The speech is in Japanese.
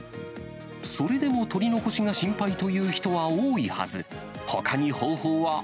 それでも取り残しが心配という人は多いはず。